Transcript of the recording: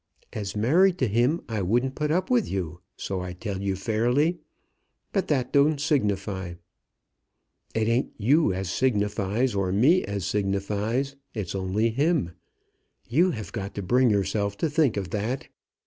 As married to him, I wouldn't put up with you; so I tell you fairly. But that don't signify. It ain't you as signifies or me as signifies. It's only him. You have got to bring yourself to think of that.